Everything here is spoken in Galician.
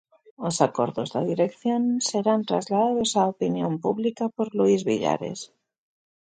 Os acordos da dirección serán trasladados á opinión pública por Luís Villares.